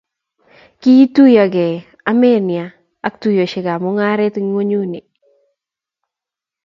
ki ituyogei Armenia ak tuyosiekab mung'aret Ng'wenyuni eng